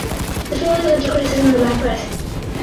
The failure led to criticism in the black press.